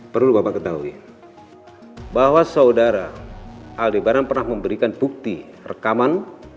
perlu bapak ketahui bahwa saudara aldi baran pernah memberikan bukti rekaman